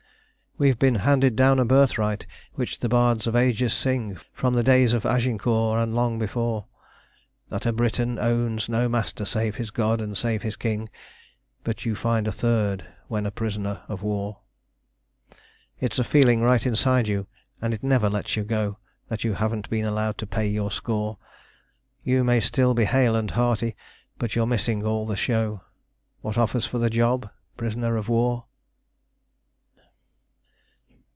We've been handed down a birthright which the bards of ages sing, From the days of Agincourt and long before, That a Briton owns no master save his God and save his king, But you find a third when prisoner of war. It's a feeling right inside you, and it never lets you go, That you haven't been allowed to pay your score: You may still be hale and hearty, but you're missing all the show. What offers for the job? Prisoner of war.